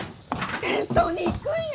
戦争に行くんよ！？